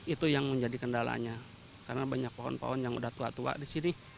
itu yang menjadi kendalanya karena banyak pohon pohon yang udah tua tua di sini